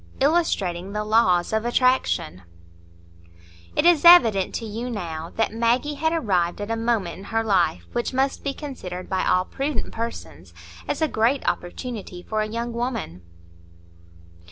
Illustrating the Laws of Attraction It is evident to you now that Maggie had arrived at a moment in her life which must be considered by all prudent persons as a great opportunity for a young woman.